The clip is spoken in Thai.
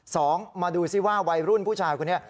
สองมาดูซิว่าวัยรุ่นผู้ชายคนนี้